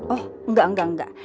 oh engga engga engga